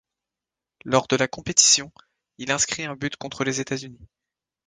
Lors de la compétition, il inscrit un but contre les États-Unis.